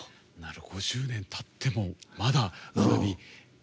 ５０年たってもまだ「学び」と。